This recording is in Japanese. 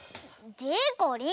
でこりん！